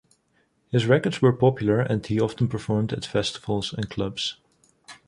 His records were popular, and he often performed at festivals and clubs.